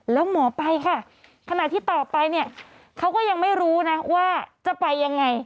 แล้วหมอไปค่ะขณะที่ต่อไปเนี่ยเขาก็ยังไม่รู้นะว่าจะไปยังไง